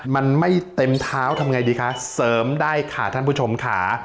มันไม่เต็มเท้าทำไงดีคะเสริมได้ค่ะท่านผู้ชมค่ะ